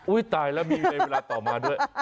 ตายแล้วมีในเวลาต่อมาด้วย